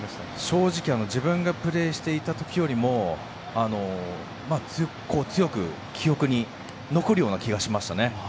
正直自分がプレーしていた時よりも強く記憶に残るような気がしましたね。